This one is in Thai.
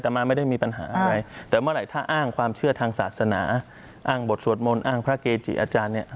แต่มาไม่ได้มีปัญหาอะไรแต่เมื่อไหร่ถ้าอ้างความเชื่อทางศาสนาอ้างบทสวดมนต์อ้างพระเกจิอาจารย์เนี่ย